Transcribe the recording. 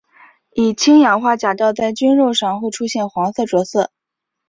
以氢氧化钾倒在菌肉上会出现黄色着色。